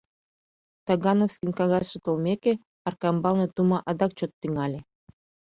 Тагановскийын кагазше толмеке, Аркамбалне тума адак чот тӱҥале.